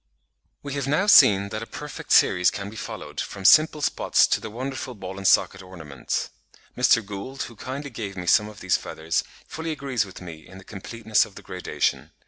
We have now seen that a perfect series can be followed, from simple spots to the wonderful ball and socket ornaments. Mr. Gould, who kindly gave me some of these feathers, fully agrees with me in the completeness of the gradation.